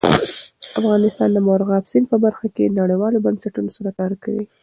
افغانستان د مورغاب سیند په برخه کې نړیوالو بنسټونو سره کار کوي.